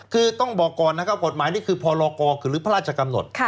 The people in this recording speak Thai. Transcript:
คือต้องบอกก่อนนะครับกฎหมายนี้คือพรกรคือหรือพระราชกำหนด